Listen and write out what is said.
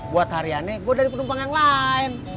buat hariannya gue dari penumpang yang lain